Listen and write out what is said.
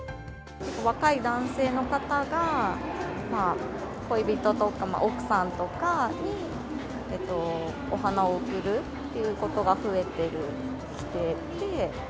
若い男性の方が、恋人とか奥さんとかに、お花を贈るということが増えてきてて。